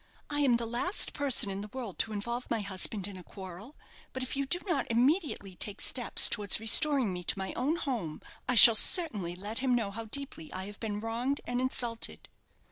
I am the last person in the world to involve my husband in a quarrel; but if you do not immediately take steps towards restoring me to my own home, I shall certainly let him know how deeply I have been wronged and insulted."